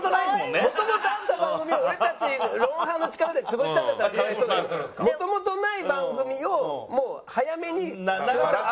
元々あった番組を俺たち『ロンハー』の力で潰したんだったらかわいそうだけど元々ない番組をもう早めに。